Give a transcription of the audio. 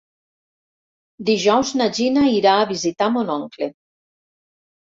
Dijous na Gina irà a visitar mon oncle.